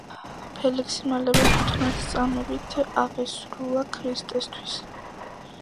ფელიქსი მალე თვითონაც წამებით აღესრულა ქრისტესთვის.